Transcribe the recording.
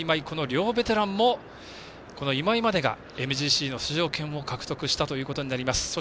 この両ベテランも今井までがＭＧＣの出場権を獲得したということになります。